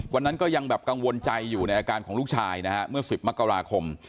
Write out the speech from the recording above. วันนั้นก็ยังแบบกังวลใจอยู่ในอาการของลูกชายนะฮะเมื่อ๑๐มกราคม